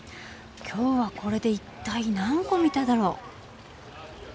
今日はこれで一体何個見ただろう？